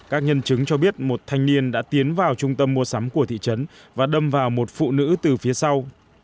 các nhân chứng cho biết một thanh niên đã tiến vào trung tâm mua sắm của thị trấn và đâm vào một phụ nữ từ phía sau